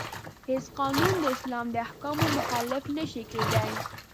هیڅ قانون د اسلام د احکامو مخالف نشي کیدای.